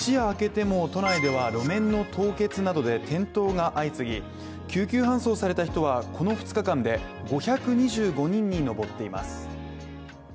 一夜明けても都内では路面の凍結などで転倒が相次ぎ、救急搬送された人は、この２日間で５２５人に上っています。